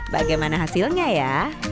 bagaimana hasilnya ya